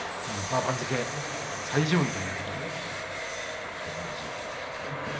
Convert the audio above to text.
番付最上位ということで照ノ富士。